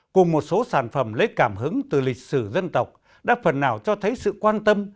cùng một số sản phẩm lấy cảm hứng từ lịch sử dân tộc đã phần nào cho thấy sự quan tâm